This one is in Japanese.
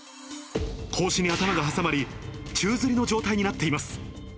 格子に頭が挟まり、宙づりの状態になっています。